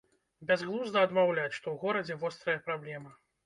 Бязглузда адмаўляць, што ў горадзе вострая праблема.